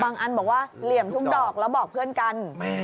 อันบอกว่าเหลี่ยมทุกดอกแล้วบอกเพื่อนกัน